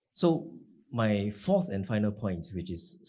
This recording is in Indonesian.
jadi poin keempat dan terakhir saya